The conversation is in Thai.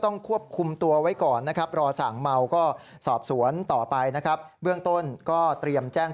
ควบคุมตัวไว้ก่อนนะครับรอสั่งเมาก็สอบสวนต่อไปนะครับเบื้องต้นก็เตรียมแจ้ง